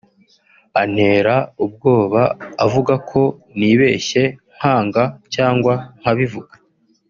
antera ubwoba avuga ko nibeshye nkanga cyangwa nkabivuga